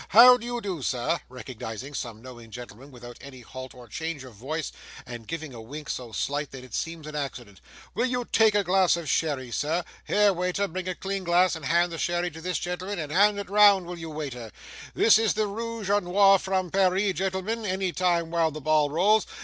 how do you do, sir?' (recognising some knowing gentleman without any halt or change of voice, and giving a wink so slight that it seems an accident), 'will you take a glass of sherry, sir? here, wai ter! bring a clean glass, and hand the sherry to this gentleman and hand it round, will you, waiter? this is the rooge a nore from Paris, gentlemen any time while the ball rolls!